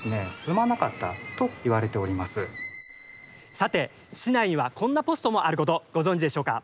さて、市内はこんなポストもあることご存じでしょうか？